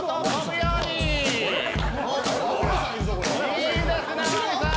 いいですね天海さん。